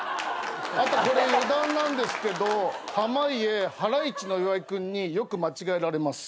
あとこれ余談なんですけど濱家ハライチの岩井君によく間違えられます。